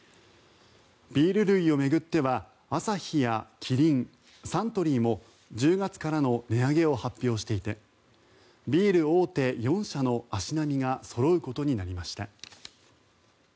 ビール類を巡ってはアサヒやキリン、サントリーも１０月からの値上げを発表していてビール大手４社の足並みがそろうことになりました。